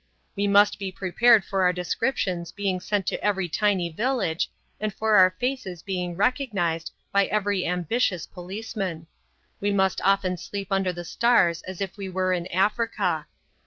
We must be prepared for our descriptions being sent to every tiny village, and for our faces being recognized by every ambitious policeman. We must often sleep under the stars as if we were in Africa.